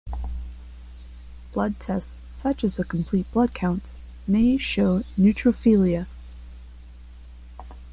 Blood tests such as a complete blood count may show neutrophilia.